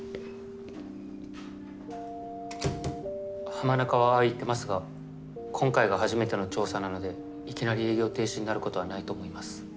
浜中はああ言ってますが今回が初めての調査なのでいきなり営業停止になることはないと思います。